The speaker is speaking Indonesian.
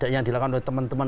yang dilakukan oleh teman teman